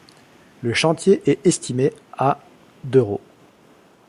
Le chantier est estimé à d'euros.